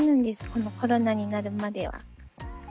このコロナになるまでは。